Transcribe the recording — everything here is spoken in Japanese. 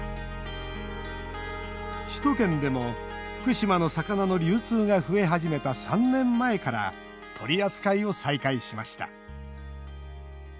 首都圏でも福島の魚の流通が増え始めた３年前から取り扱いを再開しました。